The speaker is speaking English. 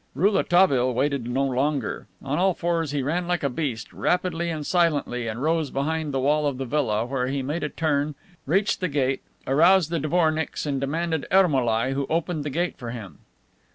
Rouletabille waited no longer. On all fours he ran like a beast, rapidly and silently, and rose behind the wall of the villa, where he made a turn, reached the gate, aroused the dvornicks and demanded Ermolai, who opened the gate for him.